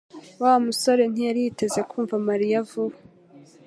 Wa musore ntiyari yiteze kumva Mariya vuba